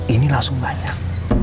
ini langsung banyak